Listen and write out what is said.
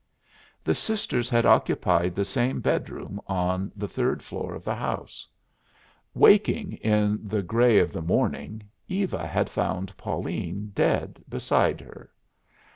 The sisters had occupied the same bedroom on the third floor of the house. Waking in the gray of the morning Eva had found Pauline dead beside her.